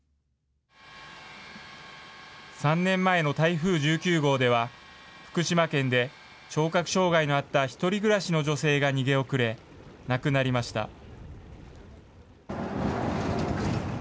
３年前の台風１９号では、福島県で聴覚障害のあった１人暮らしの女性が逃げ遅れ、亡くなりました。